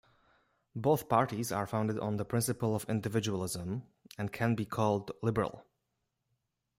Both parties are founded on the principle of individualism and can be called liberal.